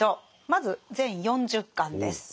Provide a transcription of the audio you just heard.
まず全４０巻です。